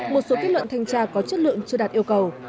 một số kết luận thanh tra có chất lượng chưa đạt yêu cầu